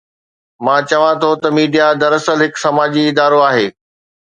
مان چوان ٿو ته ميڊيا دراصل هڪ سماجي ادارو آهي.